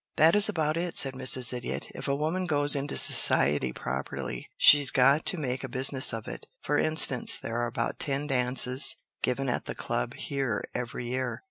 "That is about it," said Mrs. Idiot. "If a woman goes into society properly she's got to make a business of it. For instance, there are about ten dances given at the club here every year.